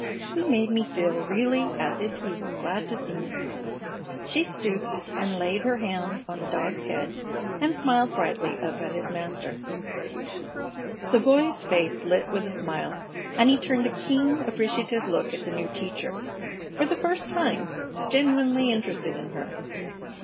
He made me feel really as if he were glad to see me." She stooped and laid her hand on the dog's head and smiled brightly up at his master. The boy's face lit with a smile, and he turned a keen, appreciative look at the new teacher, for the first time genuinely interested in her.